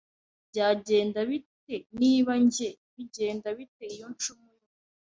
Byagenda bite niba njye, bigenda bite iyo ncumuye